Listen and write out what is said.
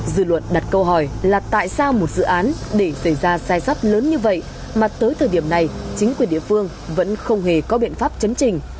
dư luận đặt câu hỏi là tại sao một dự án để xảy ra sai sót lớn như vậy mà tới thời điểm này chính quyền địa phương vẫn không hề có biện pháp chấn trình